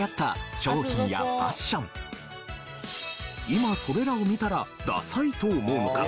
今それらを見たらダサいと思うのか？